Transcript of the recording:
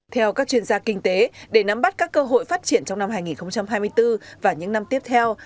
theo các chuyên gia kinh tế để nắm bắt các cơ hội phát triển trong năm hai nghìn hai mươi bốn và những năm tiếp theo